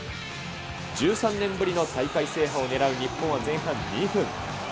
１３年ぶりの大会制覇を狙う日本は前半２分。